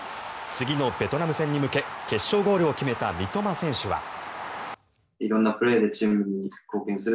次のベトナム戦に向け決勝ゴールを決めた三笘選手は。